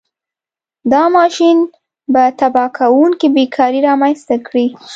دا ماشین به تباه کوونکې بېکاري رامنځته کړي.